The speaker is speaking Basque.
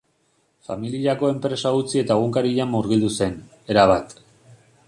Familiako enpresa utzi eta egunkarian murgildu zen, erabat.